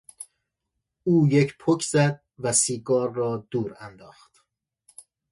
او یک پک زد و سیگار را دور انداخت.